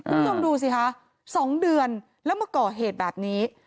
อืมคุณคงดูสิค่ะสองเดือนแล้วมาเกาะเหตุแบบนี้